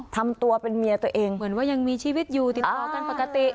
ทำตัวเป็นเมียตัวเองเหมือนว่ายังมีชีวิตอยู่ติดต่อกันปกติ